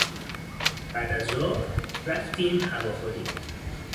بعدازظهر رفتیم هواخوری.